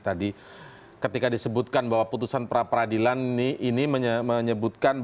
ada kependapatan berbeda dari jokowi dan jokowi